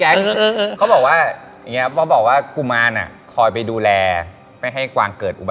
แล้วคือมันมีเรื่องแปลกคือแบบ